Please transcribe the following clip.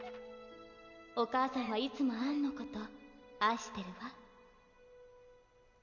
お母さんはいつもアンのこと愛してるわ。